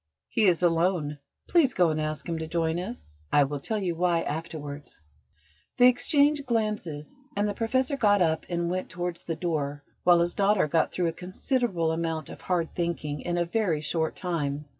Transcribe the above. He is alone: please go and ask him to join us. I will tell you why afterwards." They exchanged glances, and the Professor got up and went towards the door, while his daughter got through a considerable amount of hard thinking in a very short time.